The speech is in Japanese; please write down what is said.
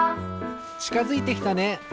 ちかづいてきたね！